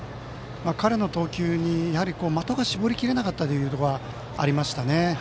彼の投球に的が絞りきれなかったところがありましたね。